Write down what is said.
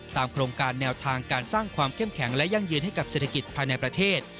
โครงการแนวทางการสร้างความเข้มแข็งและยั่งยืนให้กับเศรษฐกิจภายในประเทศ